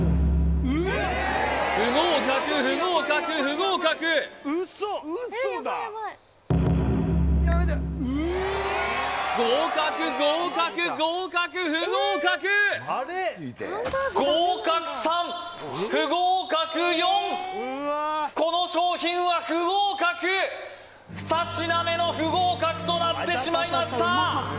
不合格不合格不合格合格合格合格不合格合格３不合格４この商品は不合格２品目の不合格となってしまいました